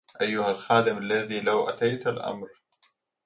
أيها الخادم الذي لو أتيت الأمر